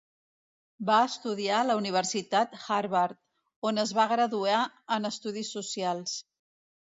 Va estudiar a la Universitat Harvard, on es va graduar en Estudis Socials.